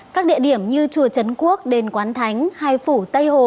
các địa điểm như chùa trấn quốc đền quán thánh hai phủ tây hồ